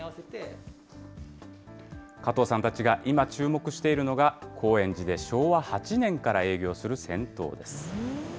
加藤さんたちが今注目しているのが、高円寺で昭和８年から営業する銭湯です。